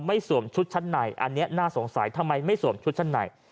สวมชุดชั้นในอันนี้น่าสงสัยทำไมไม่สวมชุดชั้นใน